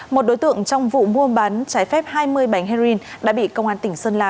một đối tượng trong vụ mua bán trái phép hai mươi bánh heroin đã bị công an tỉnh sơn la